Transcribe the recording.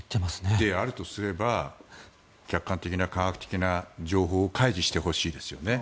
であるとすれば客観的な、科学的な情報を開示してほしいですよね。